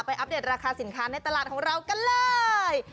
อัปเดตราคาสินค้าในตลาดของเรากันเลย